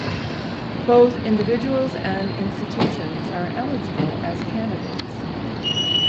Both individuals and institutions are eligible as candidates.